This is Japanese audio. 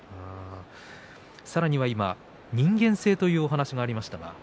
さらには今、人間性というお話がありました。